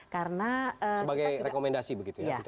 sebagai rekomendasi begitu ya